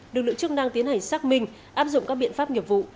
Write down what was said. được lựa chức năng tiến hành xác minh áp dụng các biện pháp nghiệp vụ